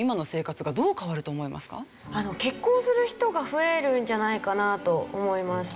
結婚する人が増えるんじゃないかなと思います。